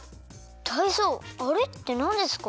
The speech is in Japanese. タイゾウあれってなんですか？